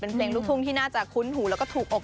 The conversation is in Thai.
เป็นเพลงลูกทุ่งที่น่าจะคุ้นหูแล้วก็ถูกอก